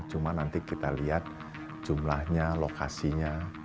cuma nanti kita lihat jumlahnya lokasinya